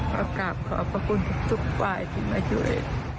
พอกลับขอขอบคุณทุกฝ่ายที่มาช่วย